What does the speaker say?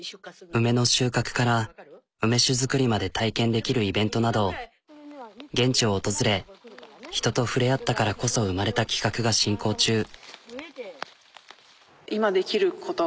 梅の収穫から梅酒造りまで体験できるイベントなど現地を訪れ人と触れ合ったからこそ生まれた企画が進行中。